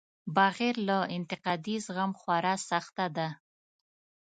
بغیر له انتقادي زغم خورا سخته ده.